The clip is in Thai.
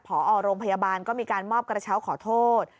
พอโรงพยาบาลก็มีการมอบกระเช้าขอโทษ